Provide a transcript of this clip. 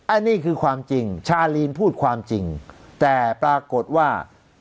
อันนี้คือความจริงชาลีนพูดความจริงแต่ปรากฏว่า